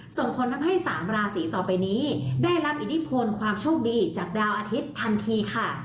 ส่งผลทำให้๓ราศีต่อไปนี้ได้รับอิทธิพลความโชคดีจากดาวอาทิตย์ทันทีค่ะ